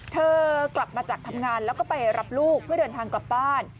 เธอกลับมาจากทำงานแล้วก็ไปรับลูกเพื่อเดินทางกลับบ้าน